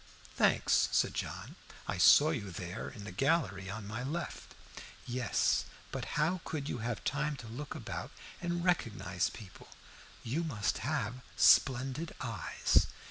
"Thanks," said John. "I saw you there, in the gallery on my left." "Yes; but how could you have time to look about and recognize people? You must have splendid eyes."